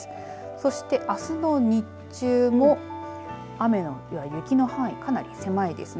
そして、あすの日中も雨や雪の範囲かなり狭いですね。